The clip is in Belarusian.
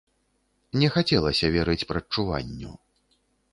Не хацелася верыць прадчуванню.